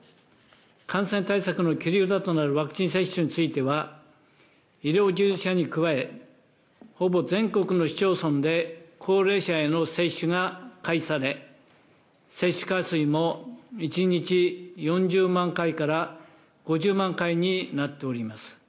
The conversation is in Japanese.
感染対策の切り札となるワクチン接種については、医療従事者に加え、ほぼ全国の市町村で、高齢者への接種が開始され、接種回数も１日４０万回から５０万回になっております。